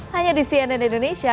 hanya di cnn indonesia